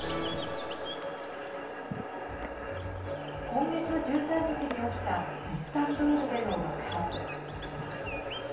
今月１３日に起きたイスタンブールでの爆発。